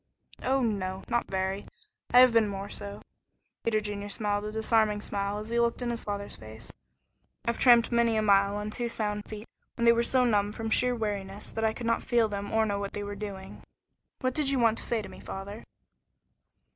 "Oh, no. Not very. I have been more so." Peter Junior smiled a disarming smile as he looked in his father's face. "I've tramped many a mile on two sound feet when they were so numb from sheer weariness that I could not feel them or know what they were doing. What did you want to say to me, father?"